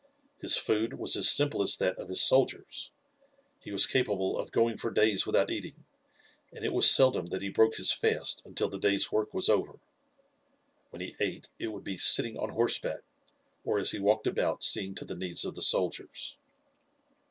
His food was as simple as that of his soldiers, he was capable of going for days without eating, and it was seldom that he broke his fast until the day's work was over. When he ate it would be sitting on horseback, or as he walked about seeing to the needs of the soldiers.